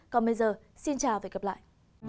còn bây giờ xin chào và hẹn gặp lại